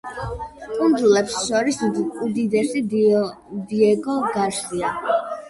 კუნძულებს შორის უდიდესია დიეგო გარსია.